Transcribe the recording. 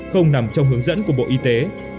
không nằm trong hướng dẫn của bộ y tế